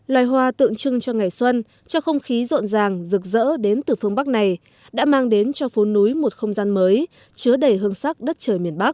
loài hoa tượng trưng cho ngày xuân cho không khí rộn ràng rực rỡ đến từ phương bắc này đã mang đến cho phố núi một không gian mới chứa đầy hương sắc đất trời miền bắc